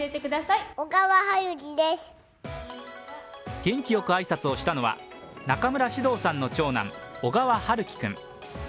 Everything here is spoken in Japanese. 元気よく挨拶をしたのは中村獅童さんの長男、小川陽喜君。